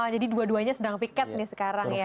jadi dua duanya sedang piket nih sekarang ya